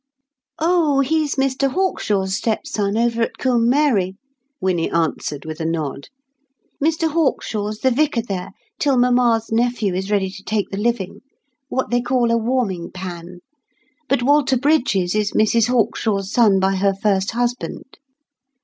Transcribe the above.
"Oh, he's Mr Hawkshaw's stepson, over at Combe Mary," Winnie answered with a nod. "Mr Hawkshaw's the vicar there till Mamma's nephew is ready to take the living—what they call a warming pan. But Walter Brydges is Mrs Hawkshaw's son by her first husband.